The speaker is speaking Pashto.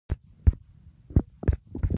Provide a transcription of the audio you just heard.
باڼه مې ټیټ د عشق کوڅو کې په عادت تیریدم